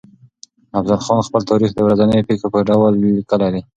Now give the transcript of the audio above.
افضل خان خپل تاريخ د ورځنيو پېښو په ډول ليکلی دی.